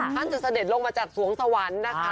ท่านจะเสด็จลงมาจัดสวงสวรรค์นะคะ